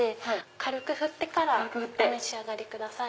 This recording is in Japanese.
軽く振ってお召し上がりください。